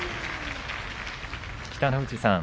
北の富士さん